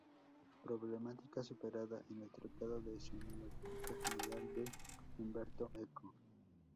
Problemática superada en el Tratado de Semiótica General de Umberto Eco.